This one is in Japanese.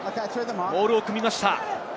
モールを組みました。